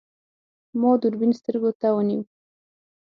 ما دوربین سترګو ته ونیو.